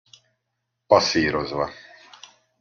Passzírozva!